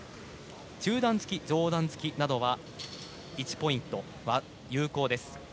中段突き、上段突きなどは１ポイントは有効です。